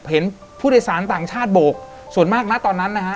เห็นผู้โดยสารต่างชาติโบกส่วนมากนะตอนนั้นนะฮะ